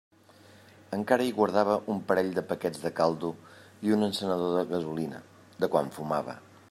Encara hi guardava un parell de paquets de caldo i un encenedor de gasolina, de quan fumava.